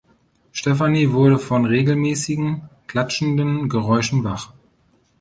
Stefanie wurde von regelmäßigen, klatschenden Geräuschen wach.